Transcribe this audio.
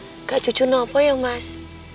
enggak jujur apa ya mas